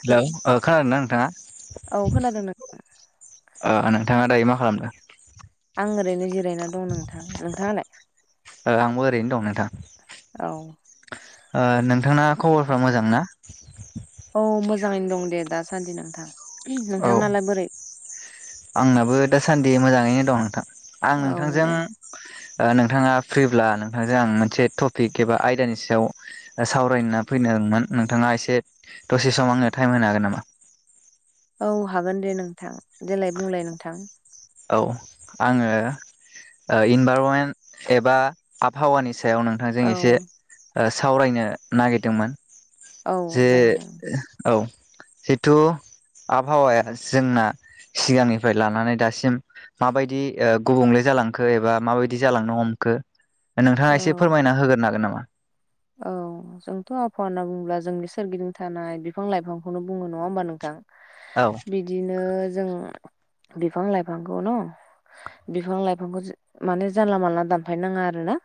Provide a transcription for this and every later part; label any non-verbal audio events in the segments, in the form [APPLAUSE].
Hello ओ खोनादों ना नोंथाङा औ खोनादों नों औ ओ नोंथाङा दायो मा खालामदों आं ओरैनो जिरायना दं नोंथां नोंथाङालाय ओ आंबो ओरैनो दं नोंथां औ ओ नोंथांना खबरफ्रा मोजां ना औ मोजाङैनो दं दे दासान्दि नोंथां औ नोंथांनालाय बोरै आंनाबो दासान्दि मोजाङैनो दं नोंथां आं औ नोंथांजों दे ओ नोंथाङा फ्रिब्ला नोंथांजों आं मोनसे टपिक एबा आयदानि सायाव सावरायना फैनोमोन नोंथाङा एसे दसे सम आङो टाइम होनो हागोन नामा औ हागोन दे नोंथां देलाय बुंलाय नोंथां औ आङो ओ इनभारमेन्ट एबा आबहावानि सायाव नों नोंथांजों औ एसे सावरायनो नागिरदोंमोन औ जे जागोन दे औ जेथु आबहावाया जोंना सिगांनिफ्राय लानानै दासिम माबायदि गुबुंले जालांखो एबा माबायदि जालांनो हमखो नोंथाङा औ एसे फोरमायना होगोरनो हागोन नामा? औ जोंथ' आबहावा होनना बुंङोब्ला जोंनि सोरगिदिं थानाय बिफां लाइफांखौनो बुङो नङा होमबा नोंथां? औ बिदिनो जों बिफां लाइफांखौ न' बिफां लाइफांखौ माने जानला मानला दानफाय नाङा आरोना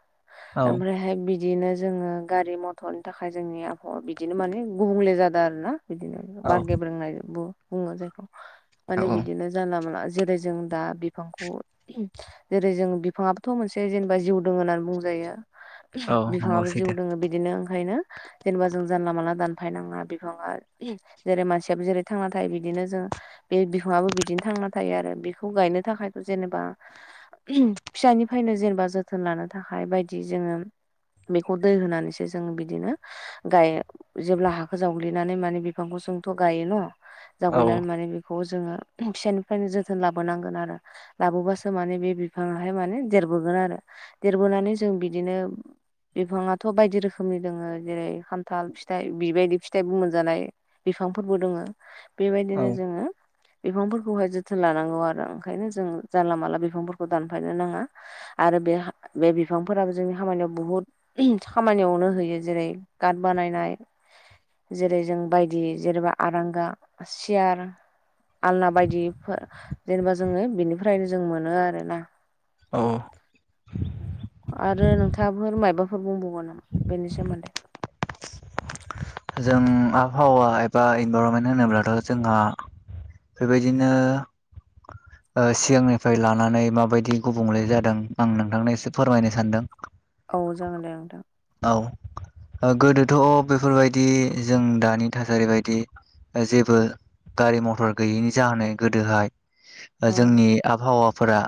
औ ओमफ्रायहाय बिदिनो जोङो गारि मथरनि थाखाय जोंनि आबहावा बिदिनो माने गुबुंले जादों आरो ना बिदिनो बार गेब्रोंनाय बुङो जायखौ औ माने बिदिनो जानला मोनला जेरै जों दा बिफांखौ जेरै जों बिफाङाबोथ' मोनसे जेनेबा जिउ दं होननानै बुंजायो औ नंगौ बिफाङाबो जिउ सैथो जोङो बिदिनो ओंखायनो जेनेबा जों जानला मानला दानफायनाङा बिफाङा जेरै मानसियाबो जेरै थांना थायो बिदिनो जोङो बे बिफाङाबो बिदिनो थांना थायो आरो बेखौ गायनो थाखायथ' जेनेबा फिसानिफ्रायनो जेनेबा जोथोन लानो थाखाय बायदि जोङो बेखौ दै होनानैसो जों बिदिनो गाय जेब्ला हाखौ जावग्लिनानै माने बिफांखौ जोंथ' गायो न' जावग्लिनानै माने बे खौ जोङो फिसानिफ्रायनो जोथोन लाबोनांगोन आरो लाबोबासो माने बे बिफांहाय माने देरबोगोन आरो देरबोनानै जों बिदिनो बिफाङाथ' बायदि रोखोमनि दोङो जेरै खान्थाल फिथाइ बिबायदि फिथाइबो मोनजानाय बिफांफोरबो दङ औ बेबायदिनो जोङो बिफांफोरखौहाय जोथोन लानांगौ आरो ओंखायनो जों जानला मोनला बिफांफोरखौ दानफायनो नाङा आरो बे बे बिफांफोराबो जोंनि खामानियाव बुहुद खामानियावनो होयो जेरै गार्ड बानायनाय जेरै जों बायदि जेनेबा आरांगा सियार आलना बायदिफोर जेनेबा जोङो बेनिफ्रायनो जों मोनो आरो ना औ आरो नोंथाङाफोर मायाबाफोर बुंबावगोन नामा बेनि सोमोन्दै? जों आबहावा एबा इनभाररनमेन्ट होनोब्लाथ' जोंहा बेबायदिनो सिगांनिफ्राय लानानै माबायदि गुबुंले जादों आं नोंथांनो एसे फोरमायनो सानदों औ जागोन दे नोंथां औ गोदोथ' बेफोरबायदि जों दानि थासारि बायदि जेबो गारि मथर गैयैनि जाहोनै गोदोहाय औ जोंनि आबहावाफोरा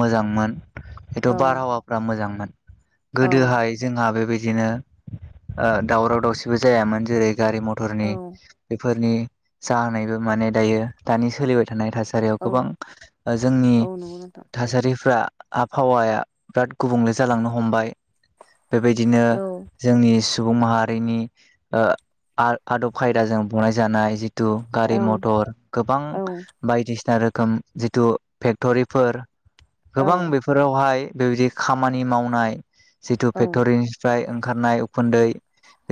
मोजांमोन हथ' औ बारहावाफ्रा मोजांमोन औ गोदोहाय जोंहा बेबायदिनो दावराव दावसिबो जायामोन जेरै गारि औ मथरनि बेफोरनि जाहोननायबो माने दायो दानि सोलिबाय थानाय थासा सारियाव औ गोबां जोंनि औ नंगौ नोंथां थासारिफ्रा आबहावाया बिराद गुबुंले जालांनो हमबाय बेबायदिनो औ जोंनि सुबुं माहारिनि आदब खायदाजों बनाय जानाय जि थु गारि औ मथर गोबां औ बायदिसिना रोखोम जिथु फेक्ट'रिफोर औ गोबां बेफो फोरावहाय बेबायदि खामानि मावनाय जिथु औ फेक्ट'रिनि फ्राय ओंखारनाय उखुन्दै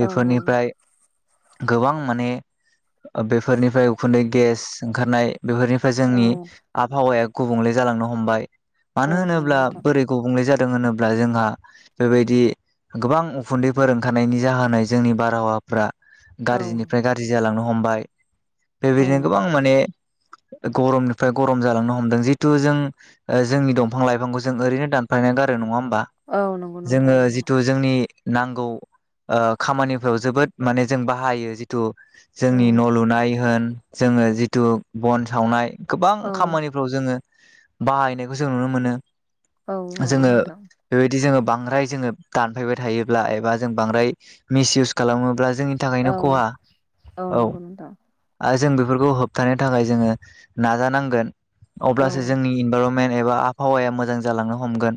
औ गोबां माने बेफोरनिफ्राय उखुन्दै गेस ओंखारनाय बेफोरनिफ्राय औ औ जोंनि आबहावाया गुबुंले जालांनो हमबाय औ मानो नंगौ होनोब्ला नोंथां बोरै गुबुंले जादों होनोब्ला जोंहा बेबाय दि गोबां उखुन्दैफोर ओंखारनायनि जाहोनै जोंनि बारहावाफ्रा औ गाज्रिनिफ्राय गा ज्रि जालांनो हमबाय औ बेबायदिनो गोबां माने गरमनिफ्राय गरम जालांनो हमदों जिहतु जों जोंनि दंफां लाइफांखौ जों ओरैनो दानफायनानै गारो नङा होमबा। औ नंगौ। नोंथां जोङो नंगौ जिथु जोंनि नांगौ खामानिफ्राव जोबोद माने जों बाहायो जिथु औ जोंनि न' लुनाय होन जोङो जिथु बन सावनाय गोबां औ खामानि जोङो बाहायनायखौ जों नुनो मोनो औ नंगौ जोङो नोंथां बेबायदि जोङो बांद्राय जोङो दानफायबाय थायोब्ला एबा जों बांद्राय मिस इउस खालामोब्ला जोंनि औ थाखायनो खहा औ नंगौ नोंथां आरो जों बेफोरखौ होबथानो थाखाय जोङो नाजानांगोन औ अब्लासो जोंनि इनभारन मेन एबा आबहावाया मोजां जालांनो हमगोन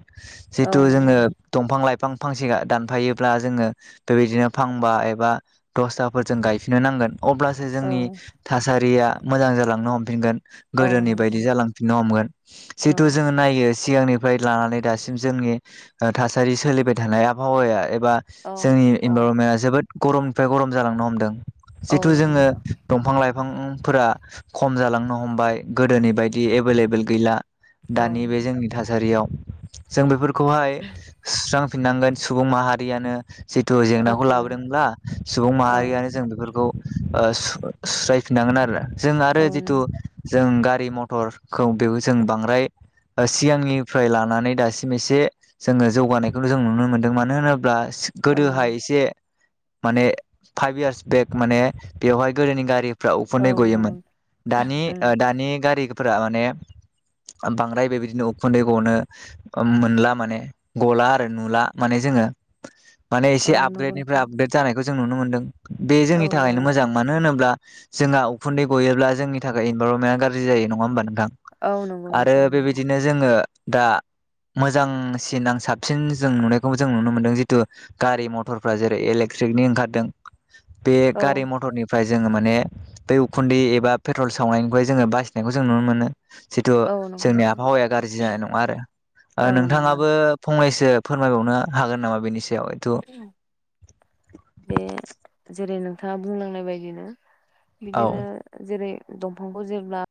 औ जिहेतु नंगौ जोङो दंफां लाइफां फांसे दानफायोब्ला जोङो बेबायदिनो फांबा एबा दस्राफोरजों गायफिननो नांगोन अब्ला सो औ जोंनि थासारिया मोजां जालांनो हमफिनगोन। औ गोदोनि नंगौ बायदि जालांफिननो हमगोन औ जिहेथु जोङो नायो सिगांनि लानानै दासिम जोंनि थासारि सोलिबाय थानाय आबहावाया एबा औ जोंनि औ इनभारनमेन्टआ जोबोद गरमनिफ्राय गरम जालांनो हमदों। औ जिथु नंगौ जोङो नोंथां दंफां लाइफांफोरा खम जालांनो हमबाय गोदोनि बायदि एभेलेबोेल गैला। औ दानि बे जोंनि थासारियाव जों बेफोरखौहाय सुस्रांफिननांगोन सुबुं माहारियानो। जिथु जेंनाखौ औ लाबोदोंब्ला सुबुं औ माहारियानो जों बेफोरखौ ओ सु-सुस्रायफिननांगोन आरो जों औ आरो जिथु नंगौ जों गारि मथरखौ बेयाव जों बांद्राय सिगांनिफ्राय लानानै दासिम एसे जोङो जौगानायखौ जों नुनो मोनदों मानो होनोब्ला गोदोहाय एसे माने फाइभ इयार्स बेक माने बेवहाय गोदोनि गारि फ्रा औ उखुन्दै नंगौ गयोमोन नोंथां दानि दानि गारि फ्रा माने बांद्राय बेबायदिनो उखुन्दै गनो मोनला माने। गला आरो नुला माने जोङो माने एसे आपग्रेडनिफ्राय आपग्रेद जानायखौ जों नुनो मोन्दों। बे औ जोंनि थाखायनो मोजां मानो होनोब्ला जोंहा उखुन्दै गयोब्ला जोंनि थाखाय इनभारनमेन्टआ गाज्रि जायो नङा होमबा नोंथां? औ नंगौ आरो नोंथां नंगौ बेबायदिनो जोङो दा मोजां सिनां साबसिन जों नुनायखौबो जों नुनो मोनदों जितु गारि मथरफ्रा जेरै इलेक्ट्रिकनि ओंखारदों बे औ गारि मथरनि फ्राय जोङो माने बै उखुन्दै एबा पेट्रल सावनायनिफ्राय जोङो बासिनायखौ जों नुनो मोनो। जिथु औ नंगौ जोंनि नोंथां आबहावाया गाज्रि जानाय नङा आरो औ नोंथाङा नंगौ फंनैसो फोरमायबावनो हागोन नामा बेनि सायाव थ बे जेरै नोंथाङा बुंलांनाय बायदिनो औ बिदिनो जेरै दंफांखौ जेब्ला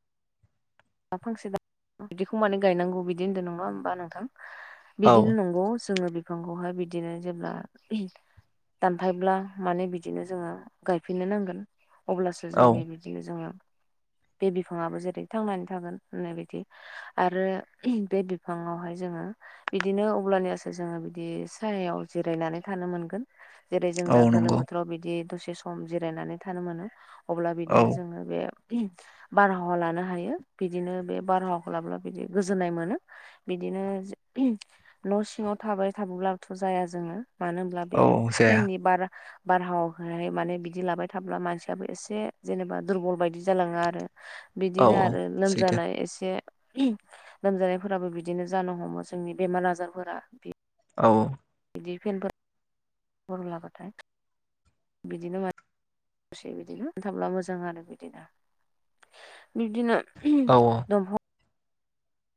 दा फांसे दा बिदिखौ माने गायनांगौ बिदि होन्दों नङा होमबा नोंथां? औ बिदिनो नंगौ जोङो बिफांखौहाय बिदिनो जेब्ला दानफायब्ला माने बिदिनो जोङो गायफिननो नांगोन। अब्लासो औ जोंनि बिदि जोङो बे बिफाङाबो जेरै थांनानै था गोन होननाय बदि आरो बे बिफाङावहाय जोङो बिदिनो अब्लानियासो जोङो बिदि सायायाव जिरायनानै थानो मोनगोन। जेरै जों औ दा गोलोम नंगौ बोथोराव बिदि दसे सम जिरायनानै थानो मोनो। अब्ला औ बिदिनो जोङो बे बारहावा लानो हायो। बिदिनो बे बारहावाखौ लाब्ला बिदि गोजोननाय मोनो। बिदिनो न' सिङाव थाबाय थाबोब्लाबोथ' जाया जोङो। मानो होमब्ला औ बे जाया फेननि बार बारहावहाय माने बिदि लाबाय थाब्ला मानसियाबो एसे जेनेबा दुरबल बायदि जालाङा आरो औ बिदिनो औ आरो सैथो लोमजानाय एसे लोमजानायफोराबो बिदिनो जानो हमो जोंनि बेमार आजारफोरा औ बिदि पेेनफोर ह लाबाथाय बिदिनो म दसे बिदिनो मोनथाबब्ला मोजां आरो बिदिनो बिब्दिनो औ [UNINTELLIGIBLE]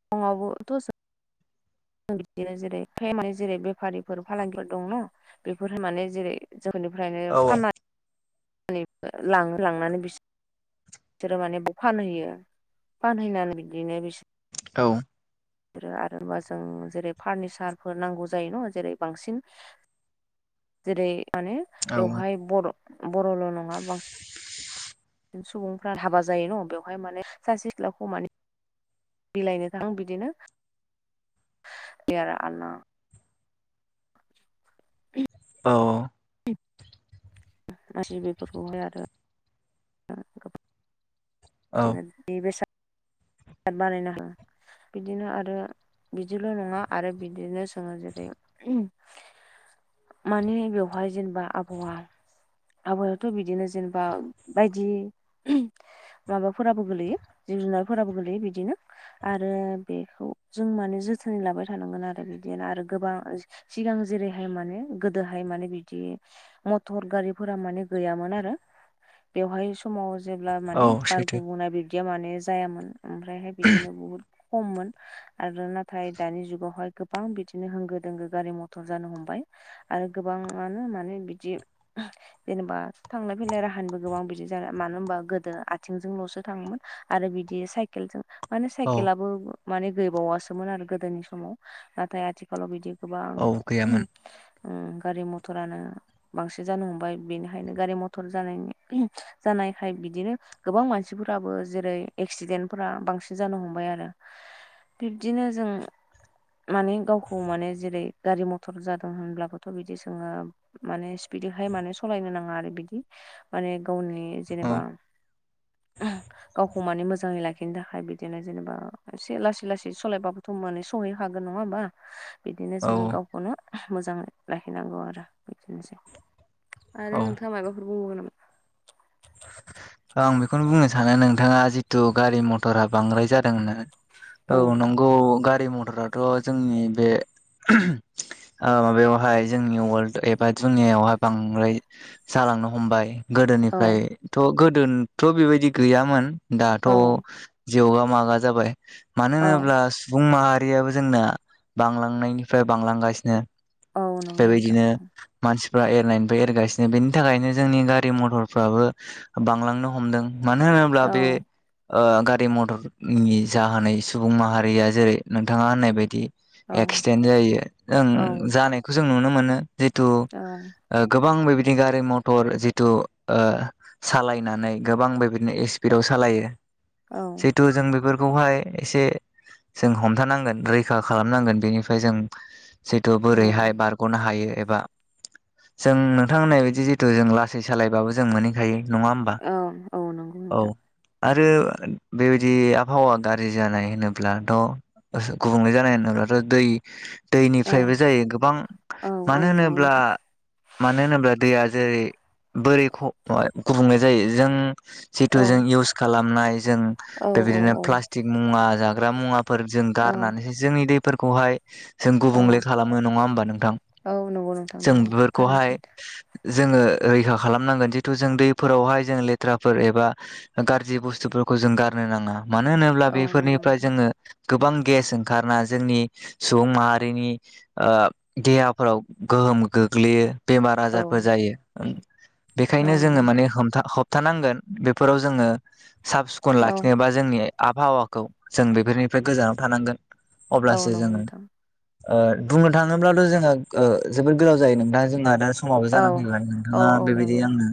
[UNINTELLIGIBLE] बिदिनो जेरै जेरै बेफारिफोर फालांगिफोर दं न बेफोर माने जेरै जोंफोरनिफ्रायनो औ फाननानै ला लांनानै बिसोर बिसोरो मानेयाव फानहैयो फानहैनानै बिदिनो बिसोर औ बि आरोबा जों जेरै फारनिसारफोर नांगौ जायो न' जेरै बांसिन [INAUDIBLE] जेरै माने बेवहाय बर' बर'ल' नङा बांसिन [UNINTELLIGIBLE] सुबुंफ्रा हाबा जायो न' बेवहाय माने सासे सिख्लाखौ माने बिलाइनो थाङ बिदिनो बे आरो आलला औ गसि बेफोरखौहाय आरो [UNINTELLIGIBLE] बिदिनो औ बेसादार बानायनो हाङा बिदिनो आरो बिदिल' नङा आरो बिदिनो जोङो जेरै मानि बेवहाय जेनेबा आबहावा आबादावथ' बिदिनो जेनेबा बायदि माबाफोराबो गोलैयो जिब जुनारफोराबो गोलैयो बिदिनो आरो बेखौ जों माने जोथोनै लाबाय थानांगोन आरो बिदिनो आरो गोबां सिगां जेरैहाय माने गोदोहाय माने बिदि मटर गारिफोरा माने गैयामोन आरो बेवहाय समाव जेब्ला औ माने सैथो बुंनाय बिब्दिया माने जायामोन ओमफ्रायहाय बिदिनो बुहुत खममोन आरो नाथाय दानि जुगावहाय गोबां बिदिनो होंगो दोंगो गारि मथर जानो हमबाय आरो गोबाङानो माने बिदि जेनेबा थांलाय फैलाय राहानिबो गोबां बिदि ज मानो होनबा गोदो आथिंजोंल'सो थाङोमोन आरो बिदि साइकेलजों माने औ साइकेलाबो माने गैबावासोमोन आरो गोदोनि समाव नाथाय आथिखालाव बिदि गोबां औ गैयामोन गारि मथरानो बांसिन जानो हमबाय बेनिखायनो गारि मथर जानायनि जानायखाय बिदिनो गोबां मानसिफोराबो जेरै एक्सिडेन्टफोरा बांसिन जानो हमबाय आरो बिब्दिनो जों माने गावखौ माने जेरै गारि मथर जादों होनब्लाबोथ' बिदि सोङो माने स्पिडहाय माने सालायनो नाङा आरो बिदि माने गावनि औ जेनेबा [INAUDIBLE] गावखौ माने मोजाङै लाखिनो थाखाय बिदिनो जेनेबा एसे लासै लासै सालायबाबोथ' माने सहै हागोन नङा होमबा [INAUDIBLE] बिदिनो जोङो औ गावखौनो मोजाङै लाहैनांगौ आरो बिदिनोसै औ आरो नोंथाङा माबाफोर बुंबावगोन नामा आं बेखौनो बुंनो सानो नोंथाङा जिथु गारि मथरा बांद्राय जादों न औ नंगौ गारि मथराथ' जोंनि बे माबायावहाय जोंनि वर्ल्ड एबा दुनियावहाय बांद्राय जालांनो हमबाय गोदो ओम औ फ्रायथ' गोदोथ' बेबायदि गैयामोन दाथ' औ जेवगा मागा जाबाय मानो औ होनोब्ला सुबुं माहारियाबो जोंना बांलांनायनिफ्राय बांलांगासिनो। औ नंगौ नोंथां बेबायदिनो मानसिफ्रा एरनायनिफ्राय एरगासिनो बेनि थाखायनो जोंनि गारि मथरफ्राबो बांलांनो हमदों। मानो होनोबा औ बे ओ गारि मथरनि जाहोनाय सुबुं माहारिया जेरै नोंथाङा होननाय बायदि औ एक्सिडेन्ट जायो औ जों जानायखौ जों नुनो मोनो जिथु औ ओ गोबां बेबिदि गारि मथर जिथु ओ सालायनानै गोबां बेबायदिनो स्पिडाव सालायो। औ जथु जों बेफोर खौहाय एसे जों हमथानांगोन रैखा खालामनांगोन बेनिफ्राय जों जिथु बोरैहाय औ बार गनो हायो एबा जों नोंथां होननाय बायदि जिथु जों लासै सालायबाबो जों मोनहैखायो। नङा होमबा औ नंगौ औ नोंथां आरो बेबायदि आबहावा गाज्रि जानाय होनोब्लाथ' [UNINTELLIGIBLE] गुबुंलै जानाय होनोब्लाथ' दै औ दैनिफ्रायबो जायो गोबां औ औ मानो नंगौ होनोब्ला नोंथां मानो होनोब्ला दैया जेरै बोरै [UNINTELLIGIBLE] गुबुंले जायो जों औ जितु जों इउस खालामनाय जों औ बेबायदिनो औ प्लास्टिक मुवा जाग्रा मुवा फोर जों औ गारनानैसो जोंनि दैफोरखौहाय जों औ गुबुंले खालामो नङा होमबा नोंथां औ नंगौ नोंथां जों नंगौ थारैनो बेफोरखौहाय सैथो जोङो रैखा खालामनांगोन [UNINTELLIGIBLE] थु जों दैफोरावहाय जों लेथ्राफोर एबा गाज्रि बुस्थुफोरखौ जों गारनो नाङा। मानो होनोब्ला औ नंगौ बेफोरनिफ्राय नोंथां जोङो गोबां गेस ओंखारना जोंनि सुबुं माहारिनि देहाफोराव गोहोम गोग्लैयो बेमार औ आजारफोर जायो औ बेखायनो नंगौ जोङो नोंथां माने होबथानांगोन बेफोराव जोङो साफ सिखन औ लाखिनोबा जोंनि आबहावाखौ जों बेफोरनिफ्राय गोजानाव थानांगोन औ अब्लासो नंगौ जोङो नोंथां ओ बुंनो थाङोब्लाथ' जोङो ओ जोबोद गोलाव जायो नोंथाङा जोंना दा समाबो औ जाना फैबाय नोंथाङा औ औ बेबायदि नंगौ आंनो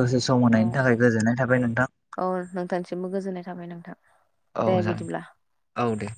दसे सम औ होनायनि थाखाय गोजोननाय थाबाय नोंथां। औ नोंथांसिमबो गोजोननाय थाबाय नोंथां। औ दे जागोन बिदिब्ला औ दे